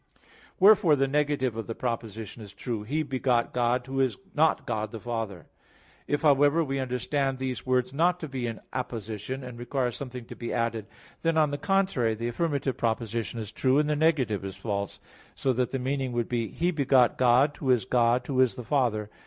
Wherefore the negative of the proposition is true, "He begot God Who is not God the Father." If however, we understand these words not to be in apposition, and require something to be added, then, on the contrary, the affirmative proposition is true, and the negative is false; so that the meaning would be, "He begot God Who is God Who is the Father."